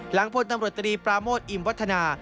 พลตำรวจตรีปราโมทอิมวัฒนา